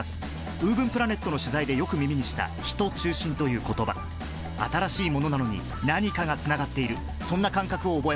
ウーブンプラネットの取材でよく耳にした「ヒト中心」という言葉新しいものなのに何かがつながっているそんな感覚を覚えました